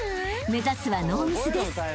目指すはノーミスです］